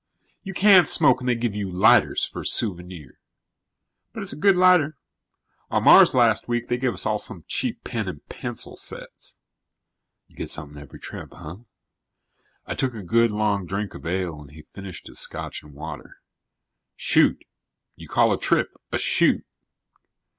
"You can't smoke and they give you lighters for a souvenir. But it's a good lighter. On Mars last week, they gave us all some cheap pen and pencil sets." "You get something every trip, hah?" I took a good, long drink of ale and he finished his scotch and water. "Shoot. You call a trip a 'shoot'."